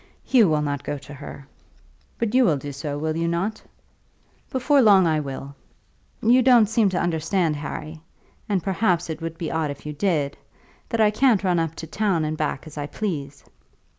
"Hugh will not go to her." "But you will do so; will you not?" "Before long I will. You don't seem to understand, Harry, and, perhaps, it would be odd if you did, that I can't run up to town and back as I please.